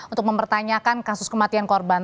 untuk mempertanyakan kasus kematian korban